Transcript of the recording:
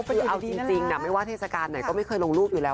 คือเอาจริงไม่ว่าเทศกาลไหนก็ไม่เคยลงรูปอยู่แล้ว